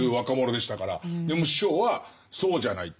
でも師匠はそうじゃないって。